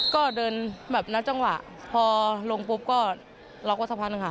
ก็เดินแบบนับจังหวะพอลงปุ๊บก็ล็อกวัฒนภัณฑ์ค่ะ